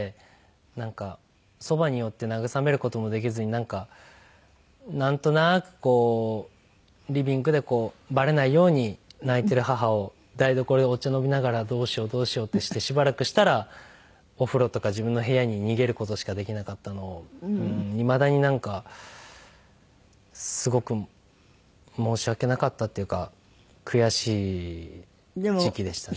なんかそばに寄って慰める事もできずになんとなくこうリビングでバレないように泣いてる母を台所でお茶飲みながらどうしようどうしようってしてしばらくしたらお風呂とか自分の部屋に逃げる事しかできなかったのをいまだになんかすごく申し訳なかったっていうか悔しい時期でしたね。